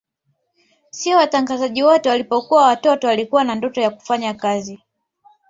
Sio watangazaji wote walipokuwa watoto walikuwa na ndoto ya kufanya kazi